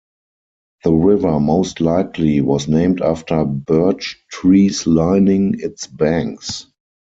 The river most likely was named after birch trees lining its banks.